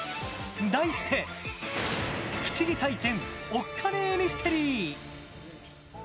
題して、不思議体験おっカネミステリー。